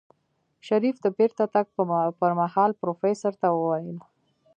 شريف د بېرته تګ پر مهال پروفيسر ته وويل.